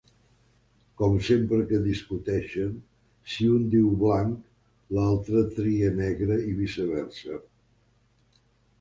Com sempre que discuteixen, si l'un diu blanc, l'altra tria negre i viceversa.